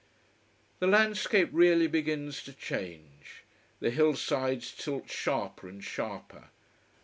The landscape really begins to change. The hillsides tilt sharper and sharper.